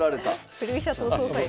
振り飛車党総裁だ。